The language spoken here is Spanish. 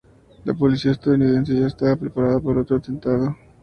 La policía estadounidense ya estaba preparada para otro atentado.